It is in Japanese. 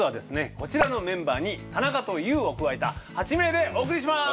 こちらのメンバーに田中とＹＯＵを加えた８名でお送りします。